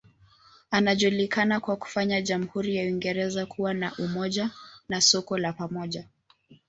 Anajulikana kwa kufanya jamhuri ya Uingereza kuwa na umoja na soko la pamoja.